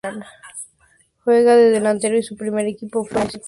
Juega de delantero y su primer equipo fue Cerro Largo.